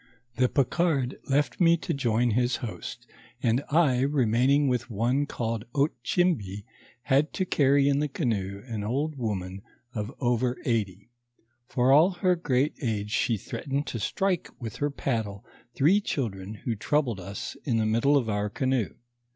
The Picard left me to join his host, and J remaining with one called Otchimbi, had to carry in the canoe an old Indian woman of over eighty. For all her great age, she threatened to strike with her paddle three children who troubled us in the middle of our canoe.